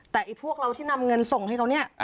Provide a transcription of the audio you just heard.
แต่พวกเราที่นำเงินส่งให้เขาเนี่ย